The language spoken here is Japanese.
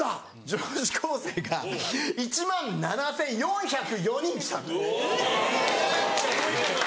女子高生が１万７４０４人来た。